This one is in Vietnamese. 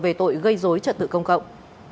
về tội gây dối trật tự công cộng